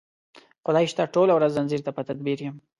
خدای شته ټوله ورځ ځنځیر ته په تدبیر یم